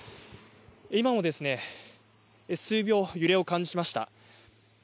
今もですね数秒、揺れを感じました。